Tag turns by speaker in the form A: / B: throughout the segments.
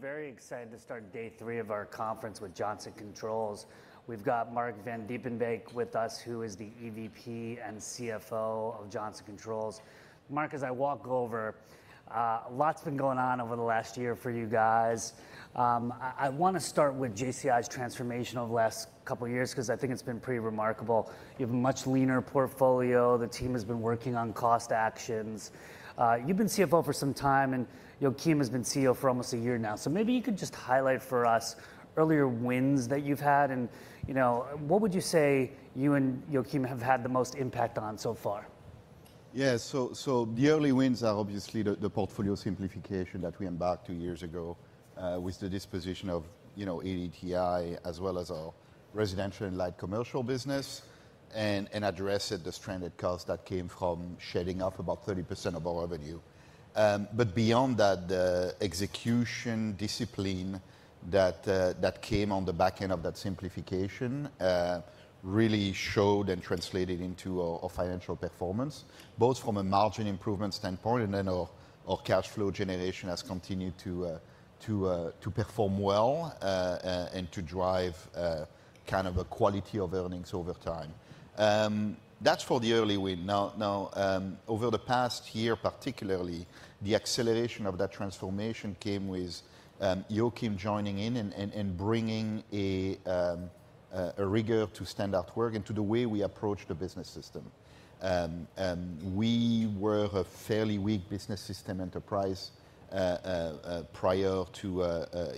A: We're very excited to start day three of our conference with Johnson Controls. We've got Marc Vandiepenbeeck with us, who is the EVP and CFO of Johnson Controls. Marc, as I walk over, a lot's been going on over the last year for you guys. I wanna start with JCI's transformation over the last couple of years, 'cause I think it's been pretty remarkable. You have a much leaner portfolio, the team has been working on cost actions. You've been CFO for some time, and Joakim has been CEO for almost a year now. So maybe you could just highlight for us earlier wins that you've had, and, you know, what would you say you and Joakim have had the most impact on so far?
B: Yeah, so the early wins are obviously the portfolio simplification that we embarked two years ago, with the disposition of, you know, ADTI, as well as our residential and light commercial business, and addressed the stranded costs that came from shedding off about 30% of our revenue. But beyond that, the execution discipline that came on the back end of that simplification really showed and translated into our financial performance, both from a margin improvement standpoint, and then our cash flow generation has continued to perform well and to drive kind of a quality of earnings over time. That's for the early win. Over the past year, particularly, the acceleration of that transformation came with Joakim joining in and bringing a rigor to standard work into the way we approach the business system. We were a fairly weak business system enterprise prior to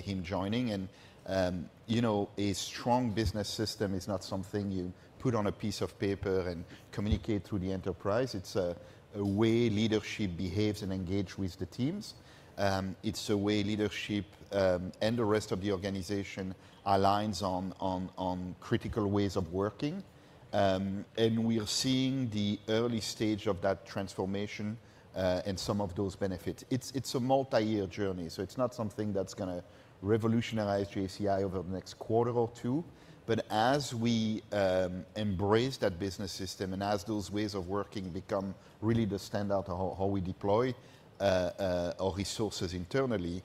B: him joining. And you know, a strong business system is not something you put on a piece of paper and communicate through the enterprise. It's a way leadership behaves and engage with the teams. It's a way leadership and the rest of the organization aligns on critical ways of working. And we are seeing the early stage of that transformation and some of those benefits. It's a multi-year journey, so it's not something that's gonna revolutionize JCI over the next quarter or two. But as we embrace that business system and as those ways of working become really the standard of how we deploy our resources internally,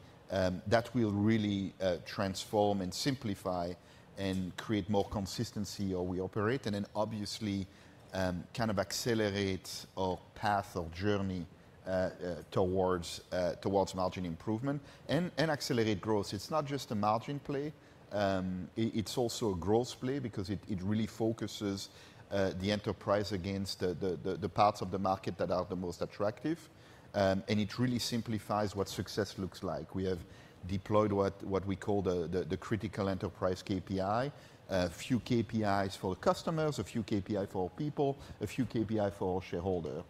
B: that will really transform and simplify and create more consistency how we operate, and then obviously kind of accelerate our path or journey towards margin improvement and accelerate growth. It's not just a margin play, it's also a growth play because it really focuses the enterprise against the parts of the market that are the most attractive. And it really simplifies what success looks like. We have deployed what we call the critical enterprise KPI, a few KPIs for customers, a few KPI for people, a few KPI for shareholder.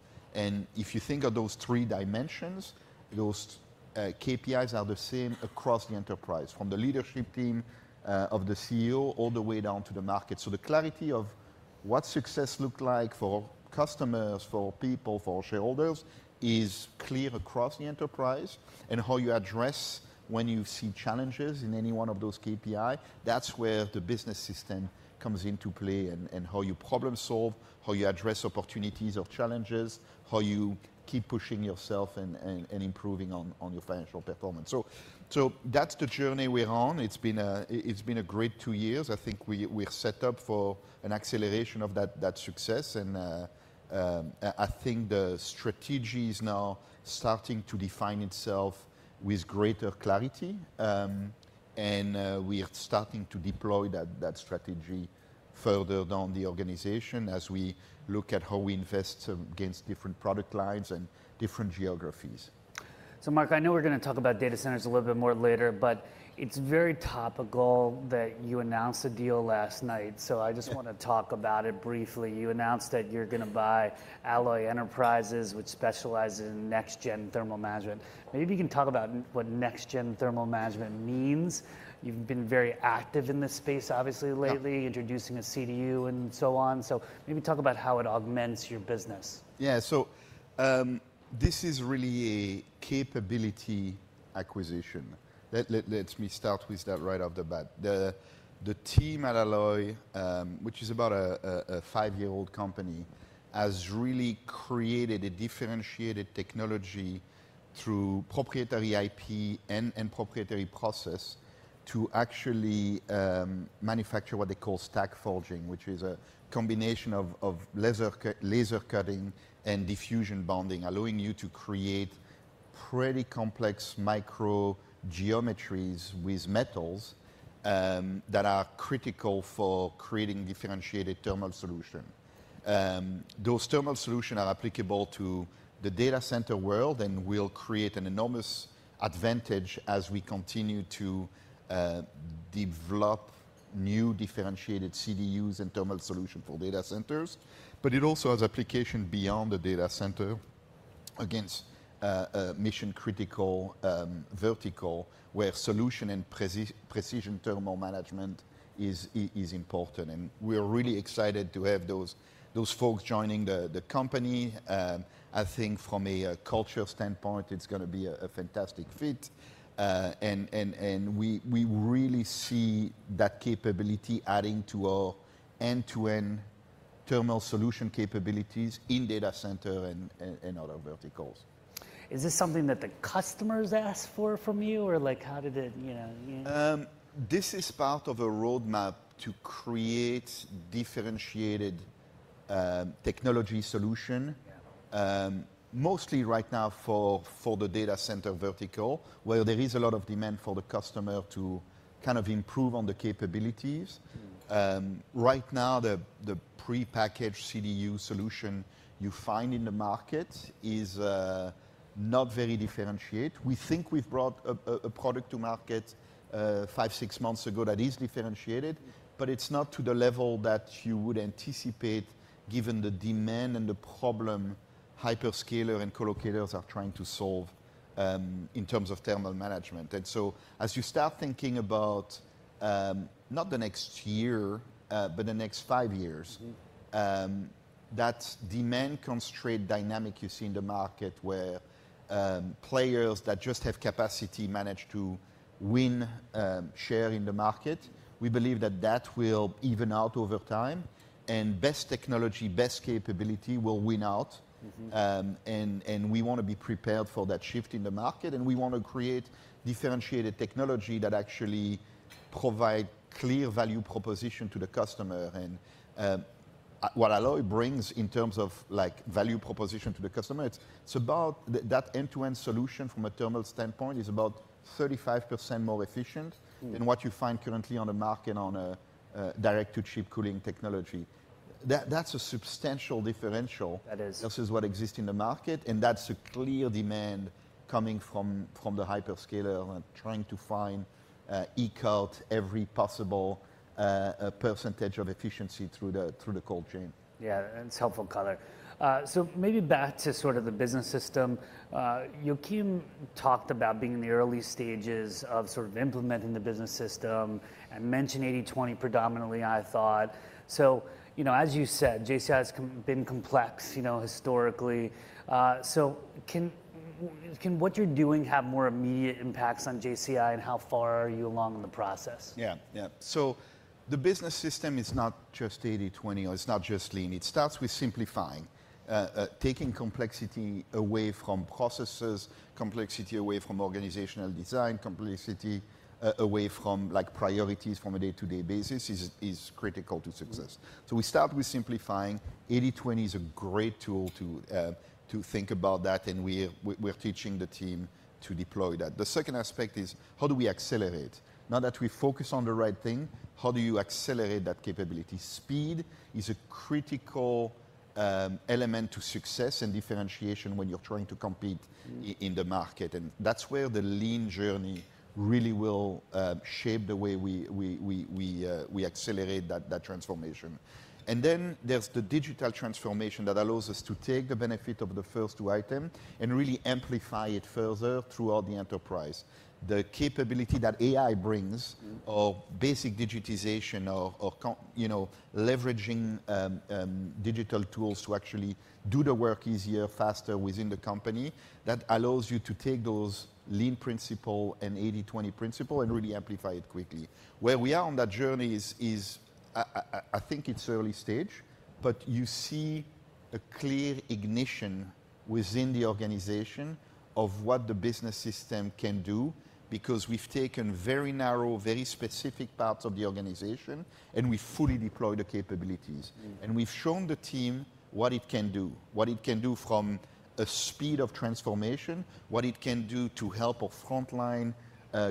B: If you think of those three dimensions, those KPIs are the same across the enterprise, from the leadership team of the CEO, all the way down to the market. So the clarity of what success look like for customers, for people, for shareholders, is clear across the enterprise. And how you address when you see challenges in any one of those KPI, that's where the business system comes into play, and how you problem solve, how you address opportunities or challenges, how you keep pushing yourself and improving on your financial performance. So that's the journey we're on. It's been a great two years. I think we, we're set up for an acceleration of that success, and I think the strategy is now starting to define itself with greater clarity. We are starting to deploy that strategy further down the organization as we look at how we invest against different product lines and different geographies.
A: So, Marc, I know we're going to talk about data centers a little bit more later, but it's very topical that you announced a deal last night, so I wanna talk about it briefly. You announced that you're gonna buy Alloy Enterprises, which specializes in next-gen thermal management. Maybe you can talk about what next-gen thermal management means. You've been very active in this space, obviously, lately.
B: Yeah...
A: introducing a CDU and so on. So maybe talk about how it augments your business.
B: Yeah. So, this is really a capability acquisition. Let me start with that right off the bat. The team at Alloy, which is about a five-year-old company, has really created a differentiated technology through proprietary IP and proprietary process to actually manufacture what they call stack forging, which is a combination of laser cutting and diffusion bonding, allowing you to create pretty complex micro geometries with metals, that are critical for creating differentiated thermal solution. Those thermal solution are applicable to the data center world and will create an enormous advantage as we continue to develop new differentiated CDUs and thermal solution for data centers. But it also has application beyond the data center against a mission-critical vertical, where solution and precision thermal management is important. And we are really excited to have those folks joining the company. I think from a culture standpoint, it's gonna be a fantastic fit. And we really see that capability adding to our end-to-end thermal solution capabilities in data center and in other verticals.
A: Is this something that the customers ask for from you? Or like, how did it, you know, you know?
B: This is part of a roadmap to create differentiated technology solution.
A: Yeah.
B: Mostly right now for the data center vertical, where there is a lot of demand for the customer to kind of improve on the capabilities.
A: Mm.
B: Right now, the prepackaged CDU solution you find in the market is not very differentiated. We think we've brought a product to market five to six months ago that is differentiated, but it's not to the level that you would anticipate, given the demand and the problem hyperscalers and colocators are trying to solve in terms of thermal management. And so as you start thinking about not the next year, but the next five years-
A: Mm....
B: that demand-constrained dynamic you see in the market, where, players that just have capacity manage to win, share in the market, we believe that that will even out over time, and best technology, best capability will win out.
A: Mm-hmm.
B: and we want to be prepared for that shift in the market, and we want to create differentiated technology that actually provide clear value proposition to the customer. What Alloy brings in terms of value proposition to the customer, that end-to-end solution from a thermal standpoint is about 35% more efficient-
A: Mm...
B: than what you find currently on the market on a direct-to-chip cooling technology. That, that's a substantial differential.
A: That is...
B: versus what exists in the market, and that's a clear demand coming from the hyperscalers and trying to find eke out every possible percentage of efficiency through the cold chain.
A: Yeah, that's helpful color. So maybe back to sort of the business system. Joakim talked about being in the early stages of sort of implementing the business system and mentioned 80/20 predominantly, I thought. So, you know, as you said, JCI has been complex, you know, historically. So can what you're doing have more immediate impacts on JCI, and how far are you along in the process?
B: Yeah, yeah. So the business system is not just 80/20, or it's not just lean. It starts with simplifying. Taking complexity away from processes, complexity away from organizational design, complexity away from, like, priorities from a day-to-day basis is critical to success.
A: Mm.
B: So we start with simplifying. 80/20 is a great tool to think about that, and we're teaching the team to deploy that. The second aspect is: how do we accelerate? Now that we focus on the right thing, how do you accelerate that capability? Speed is a critical element to success and differentiation when you're trying to compete-
A: Mm...
B: in the market, and that's where the Lean journey really will shape the way we accelerate that transformation. And then there's the digital transformation that allows us to take the benefit of the first two item and really amplify it further throughout the enterprise. The capability that AI brings-
A: Mm...
B: of basic digitization, you know, leveraging digital tools to actually do the work easier, faster within the company, that allows you to take those lean principle and 80/20 principle and really amplify it quickly. Where we are on that journey is, I think it's early stage, but you see a clear ignition within the organization of what the business system can do because we've taken very narrow, very specific parts of the organization, and we fully deploy the capabilities.
A: Mm.
B: We've shown the team what it can do, what it can do from a speed of transformation, what it can do to help our frontline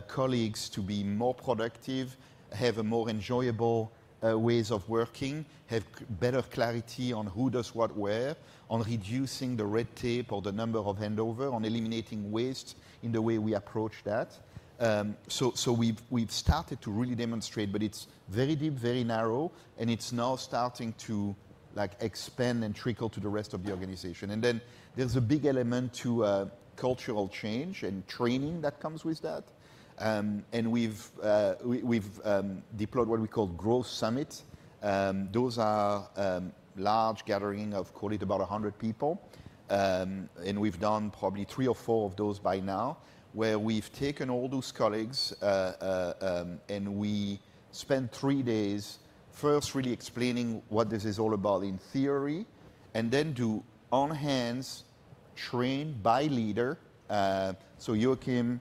B: colleagues to be more productive, have a more enjoyable ways of working, have better clarity on who does what, where, on reducing the red tape or the number of handover, on eliminating waste in the way we approach that. So we've started to really demonstrate, but it's very deep, very narrow, and it's now starting to, like, expand and trickle to the rest of the organization. And then there's a big element to cultural change and training that comes with that. And we've deployed what we call Growth Summit. Those are large gathering of currently about 100 people. And we've done probably three or four of those by now, where we've taken all those colleagues, and we spend three days first really explaining what this is all about in theory, and then do hands-on training by leader. So Joakim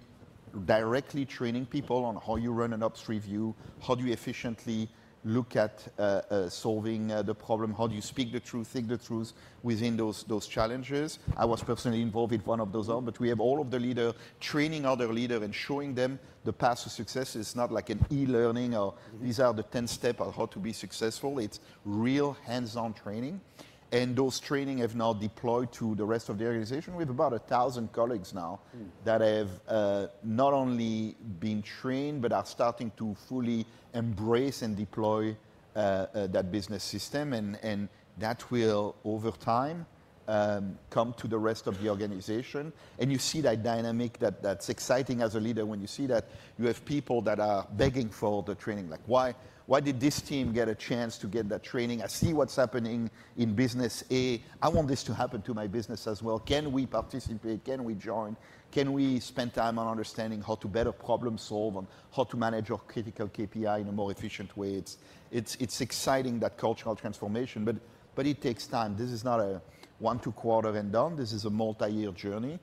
B: directly training people on how you run an ops review, how do you efficiently look at solving the problem? How do you speak the truth, think the truth within those challenges? I was personally involved in one of those own, but we have all of the leader training other leader and showing them the path to success. It's not like an e-learning or-
A: Mm...
B: these are the 10-step on how to be successful. It's real hands-on training, and those training have now deployed to the rest of the organization. We have about 1,000 colleagues now-
A: Mm...
B: that have not only been trained but are starting to fully embrace and deploy that business system, and that will, over time, come to the rest of the organization. And you see that dynamic that's exciting as a leader, when you see that you have people that are begging for the training. Like, "Why did this team get a chance to get that training? I see what's happening in business A. I want this to happen to my business as well. Can we participate? Can we join? Can we spend time on understanding how to better problem solve and how to manage our critical KPI in a more efficient way?" It's exciting, that cultural transformation, but it takes time. This is not a one, two quarter and done. This is a multi-year journey.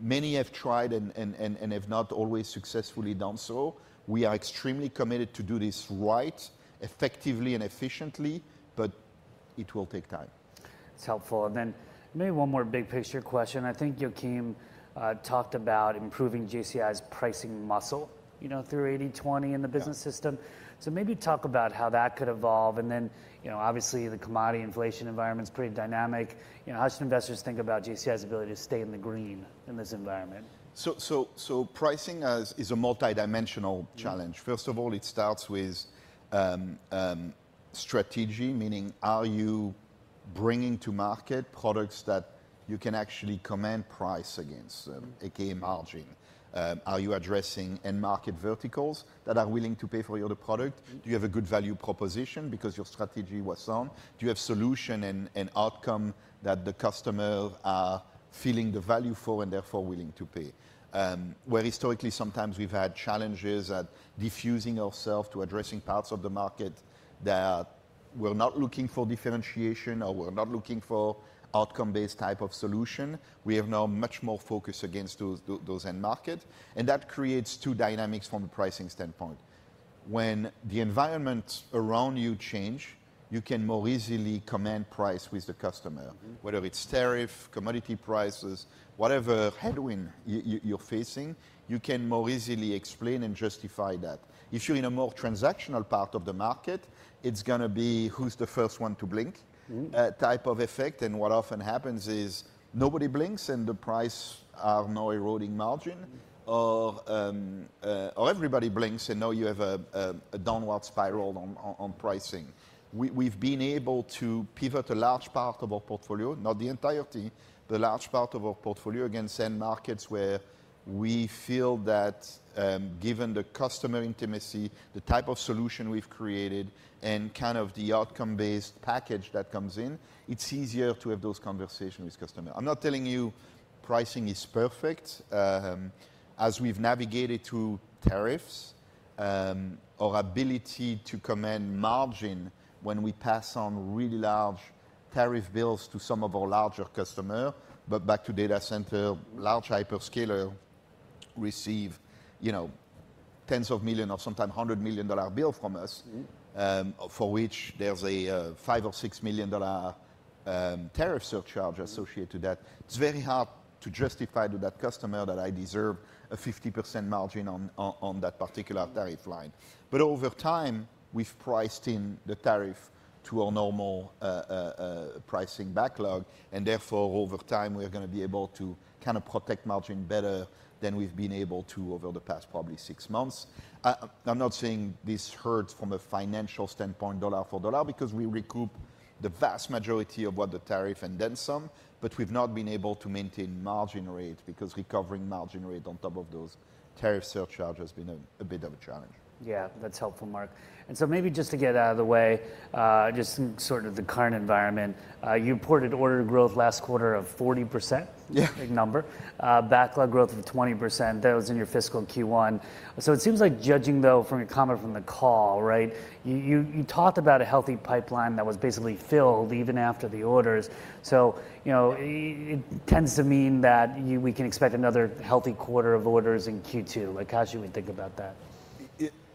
B: Many have tried and have not always successfully done so. We are extremely committed to do this right, effectively and efficiently, but it will take time.
A: That's helpful. Then maybe one more big picture question. I think Joakim talked about improving JCI's pricing muscle, you know, through 80/20 in the business system.
B: Yeah.
A: So maybe talk about how that could evolve, and then, you know, obviously, the commodity inflation environment's pretty dynamic. You know, how should investors think about JCI's ability to stay in the green in this environment?
B: So, pricing is a multidimensional challenge.
A: Mm.
B: First of all, it starts with strategy, meaning are you bringing to market products that you can actually command price against, again, margin? Are you addressing end market verticals that are willing to pay for your product?
A: Mm.
B: Do you have a good value proposition because your strategy was sound? Do you have solution and outcome that the customer are feeling the value for and therefore willing to pay? Where historically sometimes we've had challenges at diffusing ourself to addressing parts of the market that were not looking for differentiation or were not looking for outcome-based type of solution, we have now much more focus against those end market, and that creates two dynamics from a pricing standpoint. When the environment around you change, you can more easily command price with the customer.
A: Mm.
B: Whether it's tariff, commodity prices, whatever headwind you're facing, you can more easily explain and justify that. If you're in a more transactional part of the market, it's gonna be who's the first one to blink-
A: Mm...
B: type of effect, and what often happens is nobody blinks, and the price have no eroding margin.
A: Mm.
B: Everybody blinks, and now you have a downward spiral on pricing. We've been able to pivot a large part of our portfolio, not the entirety, but a large part of our portfolio, against end markets where we feel that, given the customer intimacy, the type of solution we've created, and kind of the outcome-based package that comes in, it's easier to have those conversations with customer. I'm not telling you pricing is perfect. As we've navigated through tariffs, our ability to command margin when we pass on really large tariff bills to some of our larger customer. But back to data center, large hyperscalers receive, you know, tens of millions or sometimes $100 million bill from us-
A: Mm...
B: for which there's a $5 million to $6 million tariff surcharge associated to that.
A: Mm.
B: It's very hard to justify to that customer that I deserve a 50% margin on that particular tariff line.
A: Mm.
B: But over time, we've priced in the tariff to a normal pricing backlog, and therefore, over time, we're gonna be able to kind of protect margin better than we've been able to over the past probably six months. I'm not saying this hurts from a financial standpoint, dollar for dollar, because we recoup the vast majority of what the tariff and then some, but we've not been able to maintain margin rate, because recovering margin rate on top of those tariff surcharge has been a bit of a challenge.
A: Yeah, that's helpful, Marc. And so maybe just to get it out of the way, just in sort of the current environment, you reported order growth last quarter of 40%.
B: Yeah.
A: Big number. Backlog growth of 20%, that was in your fiscal Q1. So it seems like judging, though, from your comment from the call, right, you talked about a healthy pipeline that was basically filled even after the orders. So, you know, it tends to mean that we can expect another healthy quarter of orders in Q2. Like, how should we think about that?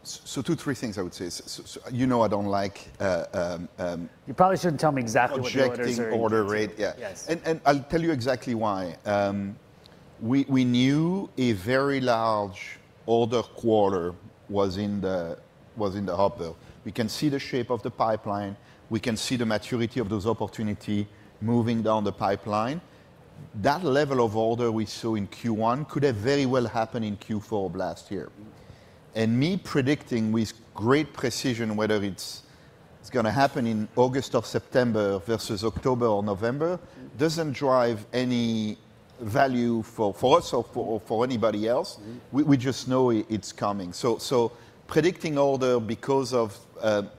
B: So two, three things I would say. So you know, I don't like
A: You probably shouldn't tell me exactly what the orders are-
B: Projecting order rate. Yeah.
A: Yes.
B: I'll tell you exactly why. We knew a very large order quarter was in the uphill. We can see the shape of the pipeline. We can see the maturity of those opportunity moving down the pipeline. That level of order we saw in Q1 could have very well happened in Q4 of last year.
A: Mm.
B: Me predicting with great precision whether it's gonna happen in August or September versus October or November doesn't drive any value for us or for anybody else.
A: Mm.
B: We just know it's coming. So predicting order because of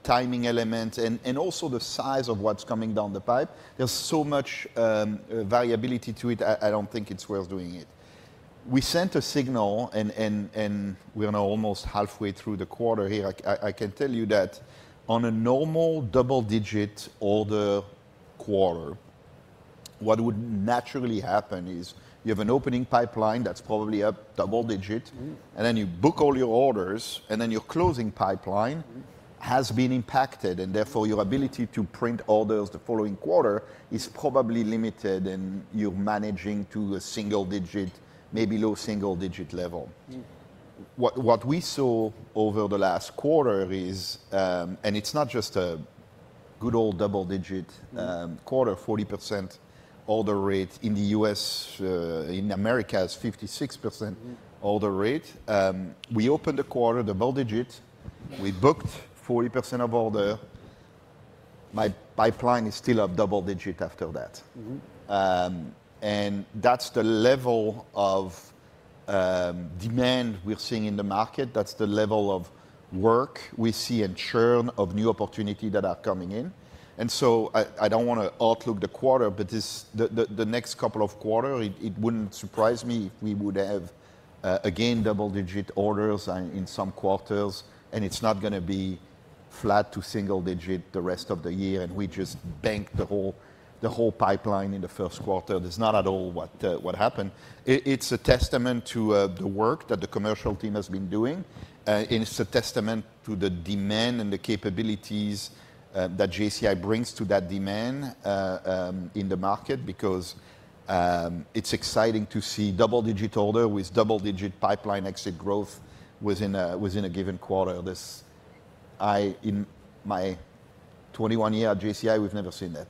B: timing element and also the size of what's coming down the pipe, there's so much variability to it, I don't think it's worth doing it. We sent a signal, and we are now almost halfway through the quarter here. I can tell you that on a normal double-digit order quarter, what would naturally happen is you have an opening pipeline that's probably a double digit.
A: Mm.
B: And then you book all your orders, and then your closing pipeline-
A: Mm...
B: has been impacted, and therefore, your ability to print orders the following quarter is probably limited, and you're managing to a single digit, maybe low single digit level.
A: Mm.
B: What we saw over the last quarter is, and it's not just a good old double digit,
A: Mm...
B: quarter, 40% order rate in the US, in Americas, 56%-
A: Mm...
B: order rate. We opened the quarter, double digit. We booked 40% of order. My pipeline is still up double digit after that.
A: Mm-hmm.
B: And that's the level of demand we're seeing in the market. That's the level of work we see and churn of new opportunity that are coming in. And so I don't want to outlook the quarter, but this, the next couple of quarter, it wouldn't surprise me if we would have again double-digit orders in some quarters, and it's not gonna be flat to single-digit the rest of the year, and we just bank the whole pipeline in the Q1. That's not at all what happened. It's a testament to the work that the commercial team has been doing, and it's a testament to the demand and the capabilities that JCI brings to that demand in the market. Because it's exciting to see double-digit order with double-digit pipeline exit growth within a given quarter. This, I, in my 21 year at JCI, we've never seen that.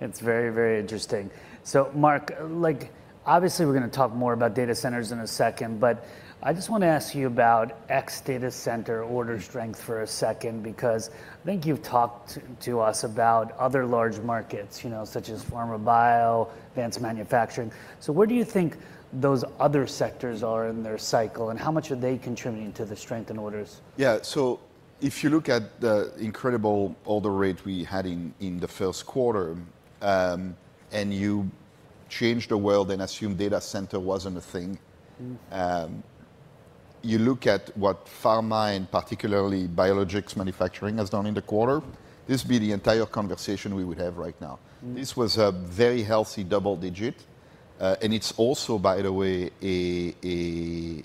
A: It's very, very interesting. So Marc, like, obviously, we're gonna talk more about data centers in a second, but I just wanna ask you about ex-data center order strength for a second, because I think you've talked to us about other large markets, you know, such as pharma bio, advanced manufacturing. So where do you think those other sectors are in their cycle, and how much are they contributing to the strength in orders?
B: Yeah. So if you look at the incredible order rate we had in the Q1, and you change the world and assume data center wasn't a thing-
A: Mm.
B: You look at what pharma, and particularly biologics manufacturing, has done in the quarter. This would be the entire conversation we would have right now.
A: Mm.
B: This was a very healthy double-digit. And it's also, by the way, a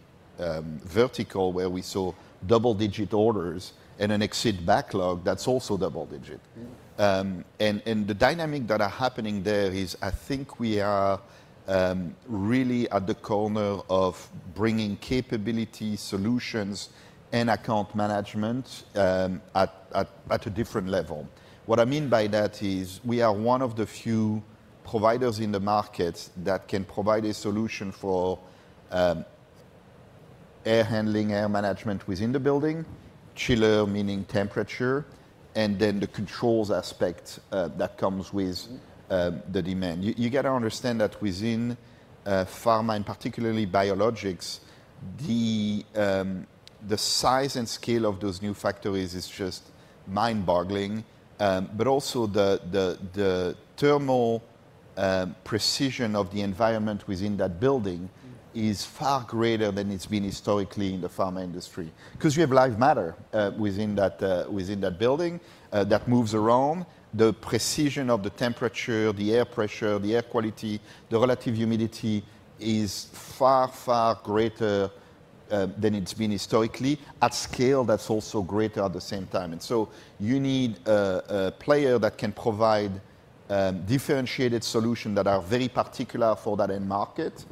B: vertical where we saw double-digit orders and an exit backlog that's also double-digit.
A: Mm.
B: And the dynamic that are happening there is, I think we are really at the corner of bringing capability, solutions, and account management at a different level. What I mean by that is, we are one of the few providers in the market that can provide a solution for air handling, air management within the building, chiller, meaning temperature, and then the controls aspect that comes with-
A: Mm...
B: the demand. You got to understand that within pharma, and particularly biologics, the size and scale of those new factories is just mind-boggling. But also the thermal precision of the environment within that building-
A: Mm...
B: is far greater than it's been historically in the pharma industry. 'Cause we have live matter within that building that moves around. The precision of the temperature, the air pressure, the air quality, the relative humidity is far, far greater than it's been historically. At scale, that's also greater at the same time. And so you need a player that can provide differentiated solution that are very particular for that end market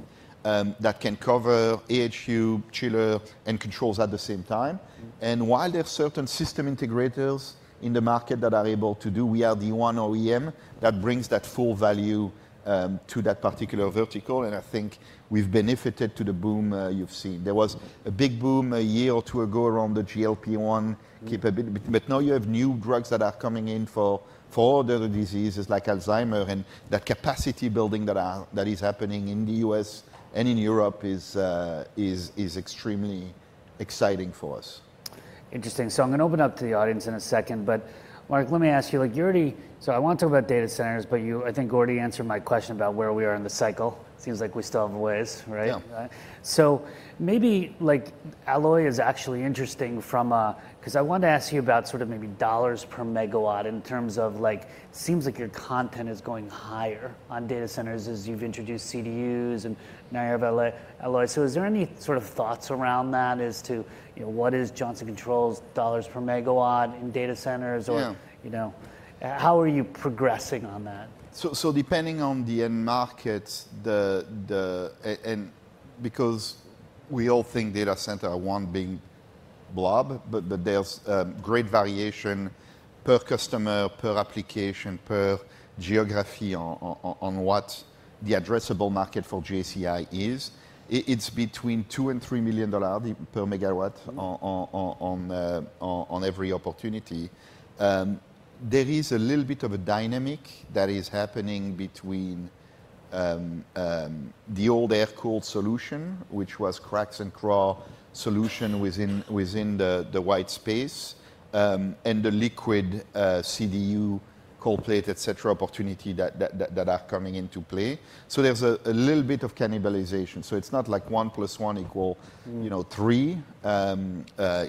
B: that can cover AHU, chiller, and controls at the same time.
A: Mm.
B: While there are certain system integrators in the market that are able to do, we are the 1 OEM that brings that full value to that particular vertical, and I think we've benefited to the boom you've seen. There was a big boom a year or two ago around the GLP-1 capability.
A: Mm.
B: But now you have new drugs that are coming in for other diseases like Alzheimer's, and that capacity building that is happening in the U.S. and in Europe is extremely exciting for us.
A: Interesting. So I'm gonna open up to the audience in a second, but Marc, let me ask you, like, you already... So I want to talk about data centers, but you, I think, already answered my question about where we are in the cycle. Seems like we still have a ways, right?
B: Yeah.
A: So maybe, like, Alloy is actually interesting 'cause I want to ask you about sort of maybe $ per megawatt in terms of, like, seems like your content is going higher on data centers as you've introduced CDUs and now you have Alloy. So is there any sort of thoughts around that as to, you know, what is Johnson Controls' $ per megawatt in data centers or-
B: Yeah...
A: you know, how are you progressing on that?
B: So, depending on the end market, the and because we all think data center are one big blob, but there's great variation per customer, per application, per geography on what the addressable market for JCI is. It's between $2 million-$3 million per megawatt on every opportunity. There is a little bit of a dynamic that is happening between the old air-cooled solution, which was CRACs and CRAH solution within the white space, and the liquid CDU, cold plate, et cetera, opportunity that are coming into play. So there's a little bit of cannibalization. So it's not like one plus one equal-
A: Mm...
B: you know, three.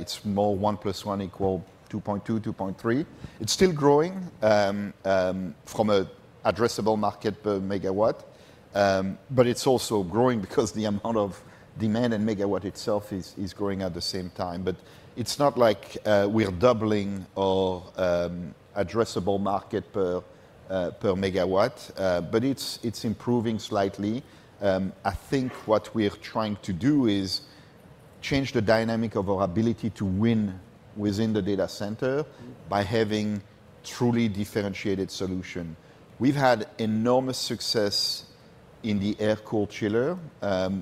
B: It's more 1 + 1 = 2.2, 2.3. It's still growing from an addressable market per megawatt. But it's also growing because the amount of demand and megawatt itself is growing at the same time. But it's not like we're doubling or addressable market per per megawatt, but it's improving slightly. I think what we are trying to do is change the dynamic of our ability to win within the data center-
A: Mm...
B: by having truly differentiated solution. We've had enormous success in the air-cooled chiller.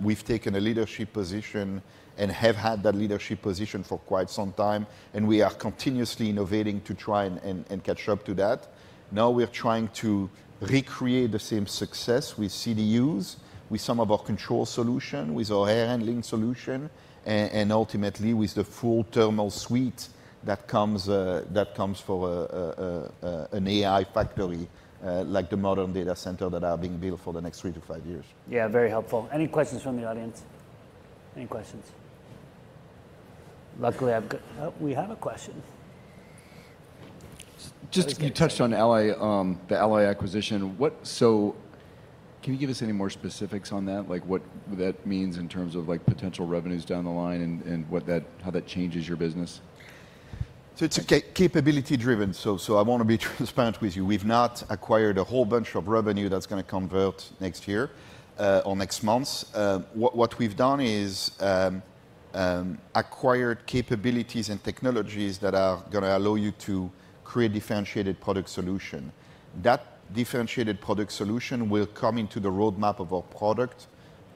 B: We've taken a leadership position and have had that leadership position for quite some time, and we are continuously innovating to try and catch up to that. Now we are trying to recreate the same success with CDUs, with some of our control solution, with our air handling solution, and ultimately with the full thermal suite that comes for an AI factory, like the modern data center that are being built for the next three to five years.
A: Yeah, very helpful. Any questions from the audience? Any questions? Luckily, I've got - oh, we have a question.
C: Just, you touched on Alloy, the Alloy acquisition. So can you give us any more specifics on that? Like, what that means in terms of, like, potential revenues down the line, and, and what that, how that changes your business?
B: So it's capability driven, so I want to be transparent with you. We've not acquired a whole bunch of revenue that's gonna convert next year, or next months. What we've done is acquired capabilities and technologies that are gonna allow you to create differentiated product solution. That differentiated product solution will come into the roadmap of our product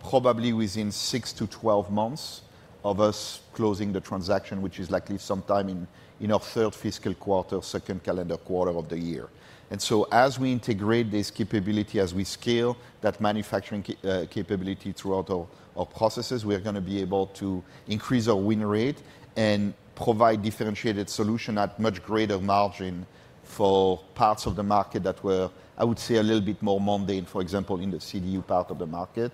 B: probably within six to 12 months of us closing the transaction, which is likely sometime in our third fiscal quarter, second calendar quarter of the year. As we integrate this capability, as we scale that manufacturing capability throughout our processes, we are gonna be able to increase our win rate and provide differentiated solution at much greater margin for parts of the market that were, I would say, a little bit more mundane, for example, in the CDU part of the market.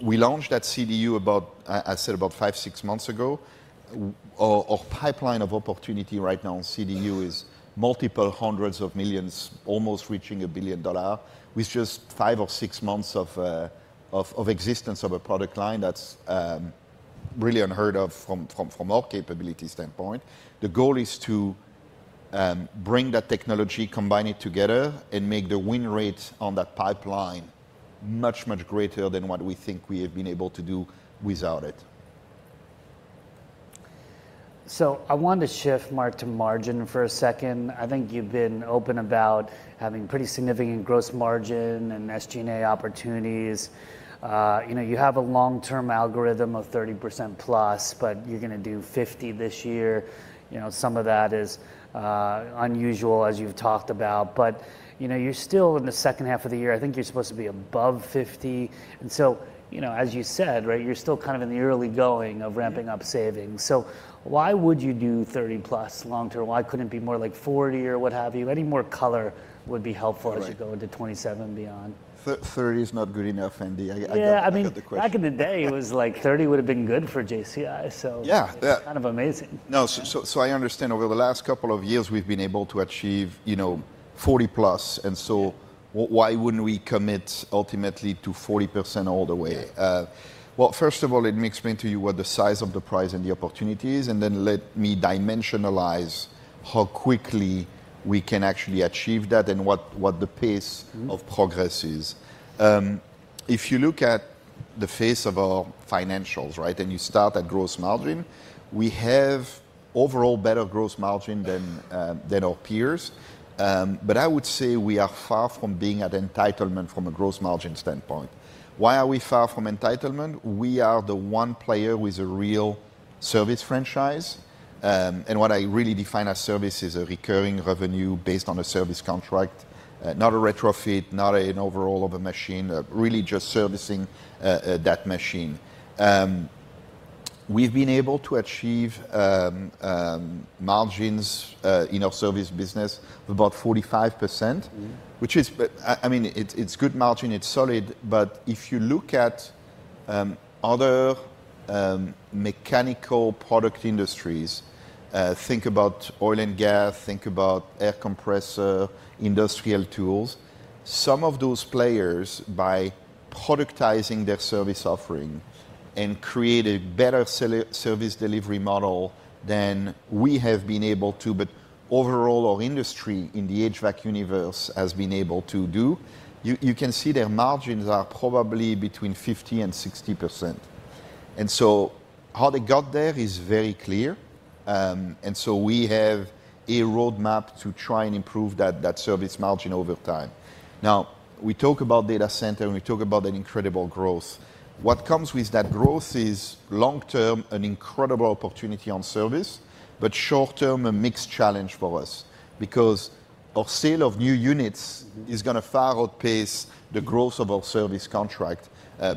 B: We launched that CDU about, I said about five to six months ago. Our pipeline of opportunity right now in CDU is multiple hundreds of millions, almost reaching $1 billion, with just five to six months of existence of a product line. That's really unheard of from our capability standpoint. The goal is to bring that technology, combine it together, and make the win rate on that pipeline much, much greater than what we think we have been able to do without it.
A: So I want to shift, Marc, to margin for a second. I think you've been open about having pretty significant gross margin and SG&A opportunities. You know, you have a long-term algorithm of 30%+, but you're gonna do 50% this year. You know, some of that is unusual, as you've talked about, but, you know, you're still in the second half of the year. I think you're supposed to be above 50%, and so, you know, as you said, right, you're still kind of in the early going of ramping up savings. So why would you do 30%+ long term? Why couldn't it be more like 40% or what have you? Any more color would be helpful?
B: Right...
A: as you go into 2027 and beyond.
B: 30 is not good enough, Andy. I got the question.
A: Yeah, I mean, back in the day, it was like 30 would've been good for JCI, so-
B: Yeah. Yeah...
A: it's kind of amazing.
B: No, so I understand over the last couple of years, we've been able to achieve, you know, 40+, and so-
A: Yeah...
B: why wouldn't we commit ultimately to 40% all the way?
A: Yeah.
B: Well, first of all, let me explain to you what the size of the prize and the opportunity is, and then let me dimensionalize how quickly we can actually achieve that and what the pace-
A: Mm...
B: of progress is. If you look at the face of our financials, right, and you start at gross margin, we have overall better gross margin than, than our peers. But I would say we are far from being at entitlement from a gross margin standpoint. Why are we far from entitlement? We are the one player with a real service franchise, and what I really define as service is a recurring revenue based on a service contract, not a retrofit, not an overhaul of a machine, really just servicing, that machine. We've been able to achieve, margins, in our service business of about 45%.
A: Mm.
B: Which is, but I mean, it's good margin, it's solid, but if you look at other mechanical product industries, think about oil and gas, think about air compressor, industrial tools. Some of those players, by productizing their service offering and create a better service delivery model than we have been able to, but overall, our industry in the HVAC universe has been able to do, you can see their margins are probably between 50% and 60%. And so how they got there is very clear. And so we have a roadmap to try and improve that service margin over time. Now, we talk about data center, and we talk about that incredible growth. What comes with that growth is, long term, an incredible opportunity on service, but short term, a mixed challenge for us. Because our sale of new units is gonna far outpace the growth of our service contract,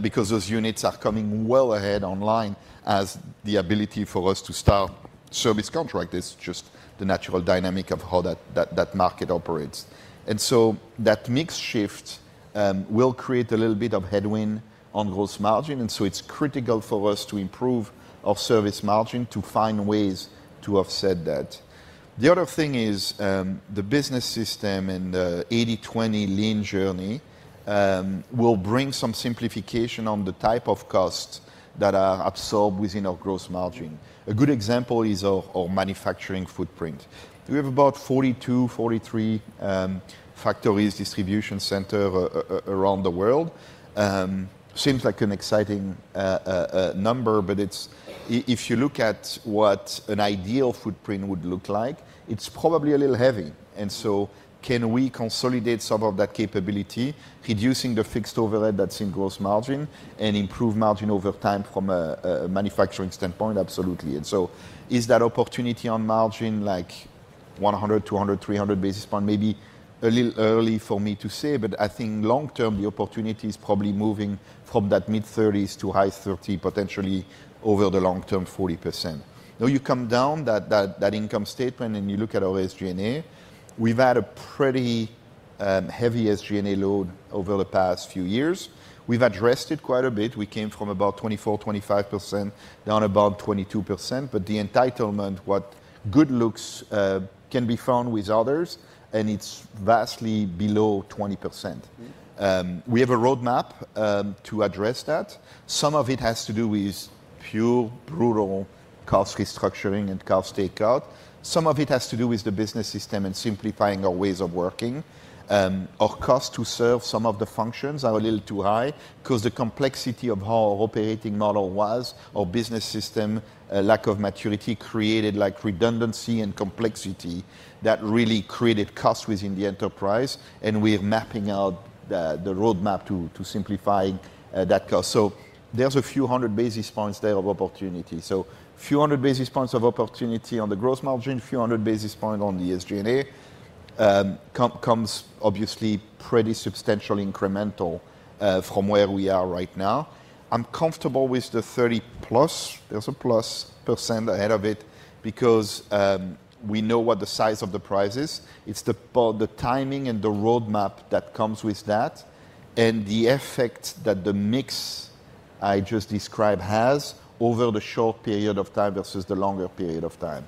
B: because those units are coming well ahead online as the ability for us to start service contract. It's just the natural dynamic of how that, that, that market operates. And so that mixed shift will create a little bit of headwind on gross margin, and so it's critical for us to improve our service margin to find ways to offset that. The other thing is, the business system and the 80/20 lean journey will bring some simplification on the type of costs that are absorbed within our gross margin. A good example is our manufacturing footprint. We have about 42, 43 factories, distribution centers around the world. Seems like an exciting number, but it's... If you look at what an ideal footprint would look like, it's probably a little heavy. So can we consolidate some of that capability, reducing the fixed overhead that's in gross margin and improve margin over time from a manufacturing standpoint? Absolutely. So is that opportunity on margin, like 100, 200, 300 basis points? Maybe a little early for me to say, but I think long term, the opportunity is probably moving from that mid-30s to high 30s, potentially over the long term, 40%. Now, you come down that income statement and you look at our SG&A, we've had a pretty heavy SG&A load over the past few years. We've addressed it quite a bit. We came from about 24%-25%, down about 22%, but the entitlement, what good looks, can be found with others, and it's vastly below 20%.
A: Mm.
B: We have a roadmap to address that. Some of it has to do with pure, brutal cost restructuring and cost takeout. Some of it has to do with the business system and simplifying our ways of working. Our cost to serve some of the functions are a little too high, 'cause the complexity of how our operating model was, our business system, a lack of maturity, created, like, redundancy and complexity that really created costs within the enterprise, and we are mapping out the roadmap to simplify that cost. So there's a few hundred basis points there of opportunity. So a few hundred basis points of opportunity on the gross margin, few hundred basis point on the SG&A. Comes obviously pretty substantial incremental from where we are right now. I'm comfortable with the 30+, there's a +% ahead of it because we know what the size of the prize is. It's about the timing and the roadmap that comes with that, and the effect that the mix I just described has over the short period of time versus the longer period of time.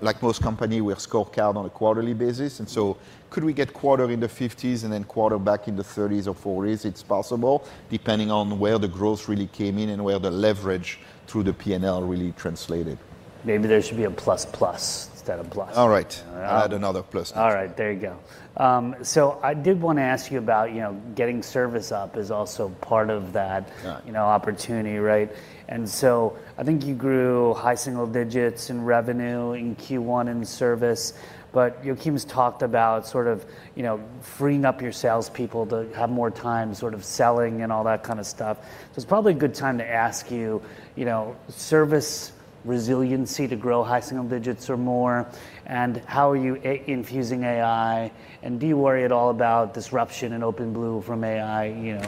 B: Like most company, we are scored out on a quarterly basis, and so could we get quarter in the 50s and then quarter back in the 30s or 40s? It's possible, depending on where the growth really came in and where the leverage through the P&L really translated.
A: Maybe there should be a plus plus instead of plus.
B: All right.
A: All right.
B: Add another plus next.
A: All right, there you go. So I did want to ask you about, you know, getting service up is also part of that-
B: Yeah...
A: you know, opportunity, right? And so I think you grew high single digits in revenue in Q1 in service, but Joakim's talked about sort of, you know, freeing up your salespeople to have more time sort of selling and all that kind of stuff. So it's probably a good time to ask you, you know, service resiliency to grow high single digits or more, and how are you infusing AI, and do you worry at all about disruption in OpenBlue from AI, you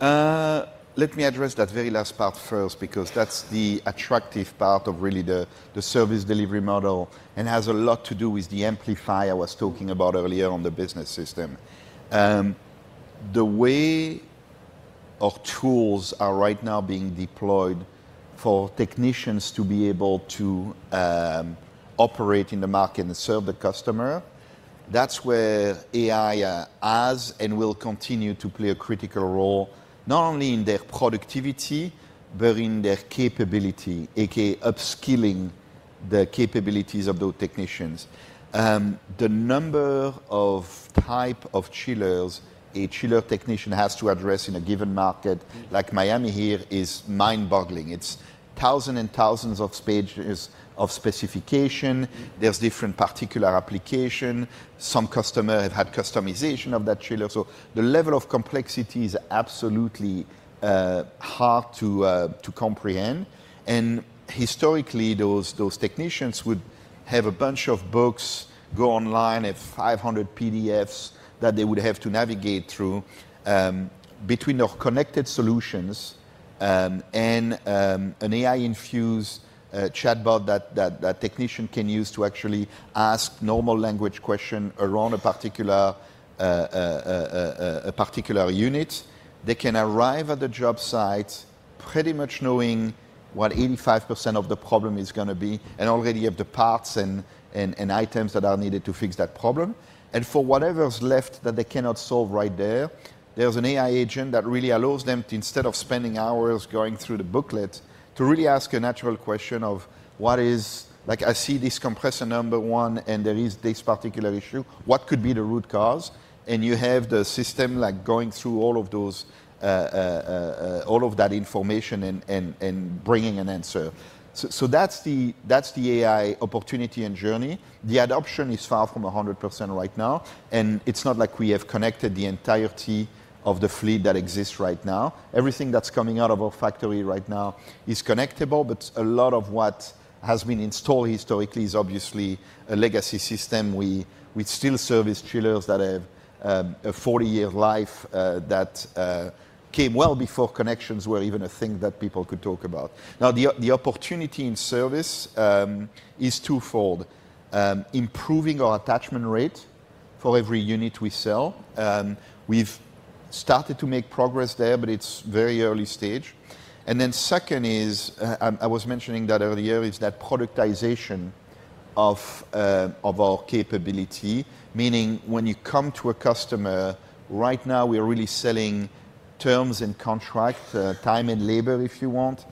A: know?
B: Let me address that very last part first, because that's the attractive part of really the service delivery model, and has a lot to do with the amplifier I was talking about earlier on the business system. The way our tools are right now being deployed for technicians to be able to operate in the market and serve the customer, that's where AI has and will continue to play a critical role, not only in their productivity, but in their capability, aka upskilling the capabilities of those technicians. The number of type of chillers a chiller technician has to address in a given market-
A: Mm...
B: like Miami here, is mind-boggling. It's thousands and thousands of pages of specification.
A: Mm.
B: are different particular applications. Some customers have had customization of that chiller, so the level of complexity is absolutely hard to comprehend. Historically, those technicians would have a bunch of books, go online, have 500 PDFs that they would have to navigate through. Between our connected solutions and an AI-infused chatbot that technician can use to actually ask normal language question around a particular unit, they can arrive at the job site pretty much knowing what 85% of the problem is gonna be, and already have the parts and items that are needed to fix that problem. For whatever is left that they cannot solve right there, there's an AI agent that really allows them to, instead of spending hours going through the booklet, to really ask a natural question of, "What is..." "Like I see this compressor number one, and there is this particular issue. What could be the root cause?" And you have the system, like, going through all of those, all of that information and bringing an answer. So that's the AI opportunity and journey. The adoption is far from 100% right now, and it's not like we have connected the entirety of the fleet that exists right now. Everything that's coming out of our factory right now is connectable, but a lot of what has been installed historically is obviously a legacy system. We still service chillers that have a 40-year life, that came well before connections were even a thing that people could talk about. Now, the opportunity in service is twofold: improving our attachment rate for every unit we sell, we've started to make progress there, but it's very early stage. And then second is, I was mentioning that earlier, is that productization of our capability, meaning when you come to a customer, right now, we are really selling terms and contract, time and labor, if you want.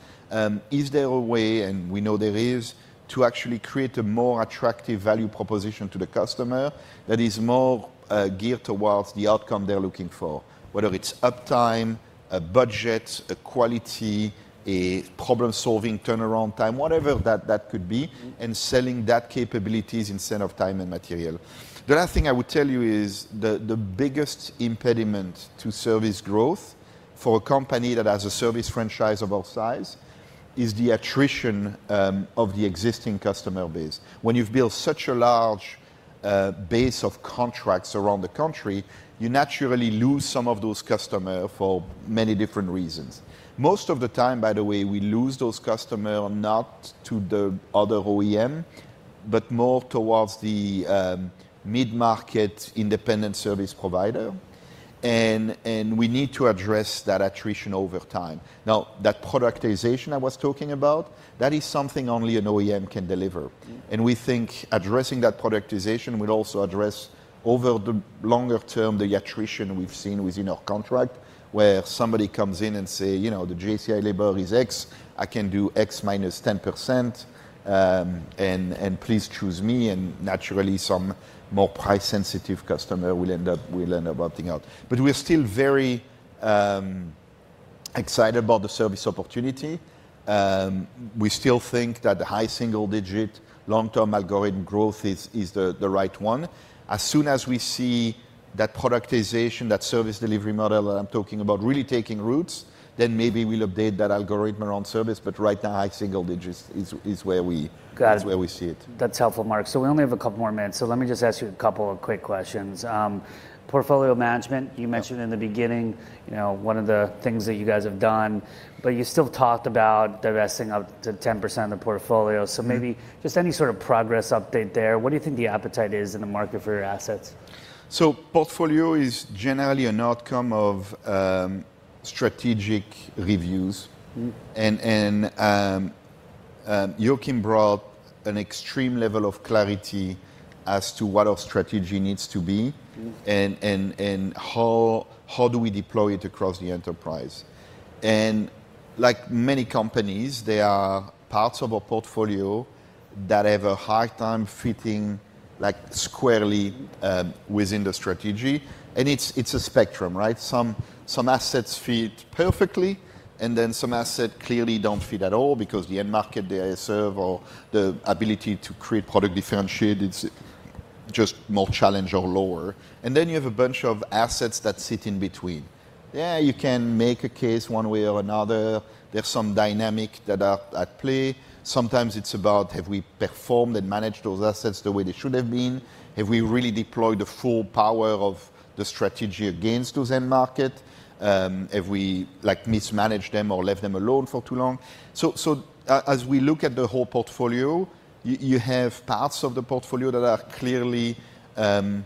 B: Is there a way, and we know there is, to actually create a more attractive value proposition to the customer that is more geared towards the outcome they're looking for? Whether it's uptime, a budget, a quality, a problem-solving turnaround time, whatever that could be-
A: Mm
B: ...and selling that capabilities instead of time and material. The other thing I would tell you is the biggest impediment to service growth for a company that has a service franchise of our size is the attrition of the existing customer base. When you've built such a large base of contracts around the country, you naturally lose some of those customers for many different reasons. Most of the time, by the way, we lose those customers not to the other OEM, but more towards the mid-market independent service provider... and we need to address that attrition over time. Now, that productization I was talking about, that is something only an OEM can deliver.
A: Mm.
B: And we think addressing that productization will also address over the longer term, the attrition we've seen within our contract, where somebody comes in and say, "You know, the JCI label is X. I can do X minus 10%, and please choose me," and naturally, some more price-sensitive customer will end up opting out. But we're still very excited about the service opportunity. We still think that the high single-digit long-term algorithm growth is the right one. As soon as we see that productization, that service delivery model that I'm talking about, really taking roots, then maybe we'll update that algorithm around service, but right now, high single digits is where we-
A: Got it.
B: That's where we see it.
A: That's helpful, Marc. We only have a couple more minutes, so let me just ask you a couple of quick questions. Portfolio management-
B: Yep.
A: You mentioned in the beginning, you know, one of the things that you guys have done, but you still talked about divesting up to 10% of the portfolio.
B: Mm.
A: Maybe just any sort of progress update there. What do you think the appetite is in the market for your assets?
B: Portfolio is generally an outcome of strategic reviews.
A: Mm.
B: Joakim brought an extreme level of clarity as to what our strategy needs to be-
A: Mm...
B: how do we deploy it across the enterprise? And like many companies, there are parts of our portfolio that have a hard time fitting, like, squarely within the strategy, and it's a spectrum, right? Some assets fit perfectly, and then some assets clearly don't fit at all because the end market they serve or the ability to create product differentiated, it's just more challenged or lower. And then you have a bunch of assets that sit in between. Yeah, you can make a case one way or another. There's some dynamic that are at play. Sometimes it's about, have we performed and managed those assets the way they should have been? Have we really deployed the full power of the strategy against those end market? Have we, like, mismanaged them or left them alone for too long? As we look at the whole portfolio, you have parts of the portfolio that are clearly, you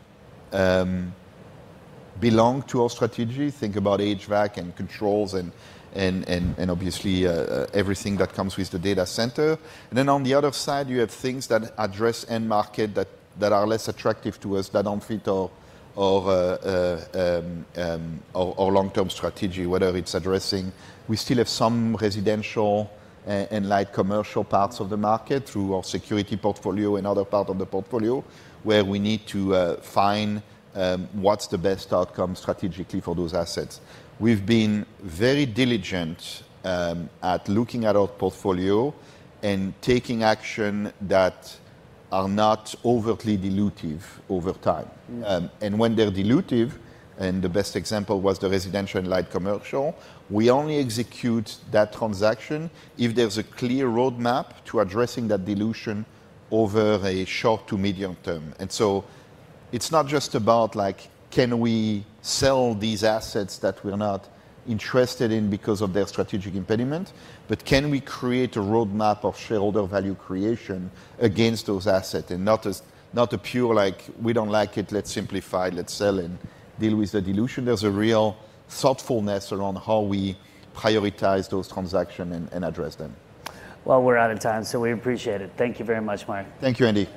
B: know, belong to our strategy. Think about HVAC and controls and, obviously, everything that comes with the data center. Then on the other side, you have things that address end market that are less attractive to us, that don't fit our, you know, our long-term strategy, whatever it's addressing. We still have some residential and light commercial parts of the market through our security portfolio and other part of the portfolio, where we need to find, you know, what's the best outcome strategically for those assets. We've been very diligent at looking at our portfolio and taking action that are not overtly dilutive over time.
A: Mm.
B: And when they're dilutive, and the best example was the residential and light commercial, we only execute that transaction if there's a clear roadmap to addressing that dilution over a short to medium term. And so it's not just about, like, can we sell these assets that we're not interested in because of their strategic impediment, but can we create a roadmap of shareholder value creation against those assets? And not as, not a pure like, "We don't like it, let's simplify, let's sell and deal with the dilution." There's a real thoughtfulness around how we prioritize those transactions and, and address them.
A: Well, we're out of time, so we appreciate it. Thank you very much, Marc.
B: Thank you, Andy.